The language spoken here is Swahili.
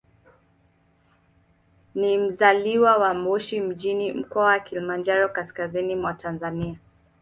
Ni mzaliwa wa Moshi mjini, Mkoa wa Kilimanjaro, kaskazini mwa Tanzania.